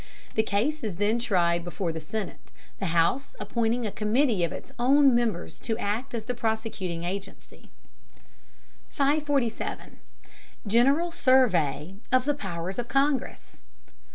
The case is then tried before the Senate, the House appointing a committee of its own members to act as the prosecuting agency. 547. GENERAL SURVEY OF THE POWERS OF CONGRESS.